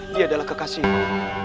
dia adalah kekasihmu